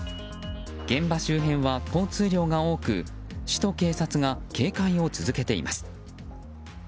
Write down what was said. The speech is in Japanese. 現場周辺は交通量が多く市と警察が警戒を続けています。